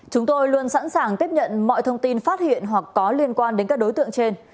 chúng tôi luôn sẵn sàng tiếp nhận mọi thông tin phát hiện hoặc có liên quan đến các đối tượng trên